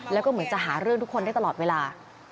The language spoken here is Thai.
แล้วก็เหมือนจะหาเรื่องทุกคนได้ตลอดเวลา